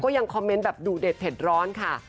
ยังคอมเมนต์แบบดูเด็ดเผ็ดร้อนค่ะ